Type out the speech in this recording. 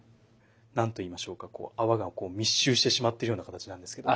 何と言いましょうか泡がこう密集してしまっているような形なんですけども。